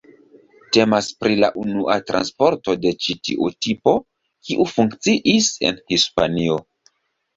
Temas pri la unua transporto de ĉi tiu tipo, kiu funkciis en Hispanio.